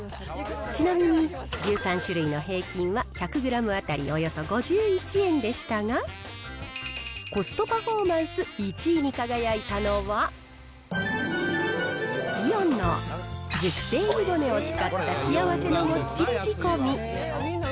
ちなみに、１３種類の平均は１００グラム当たりおよそ５１円でしたが、コストパフォーマンス１位に輝いたのは、イオンの熟成湯捏を使ったしあわせのもっちり仕込み。